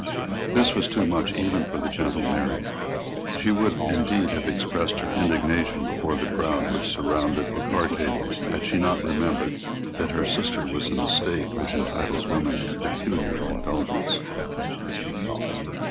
This was too much even for the gentle Mary. She would indeed have expressed her indignation before the crowd which surrounded the card tables, had she not remembered that her sister was in a state which entitles women to peculiar indulgence.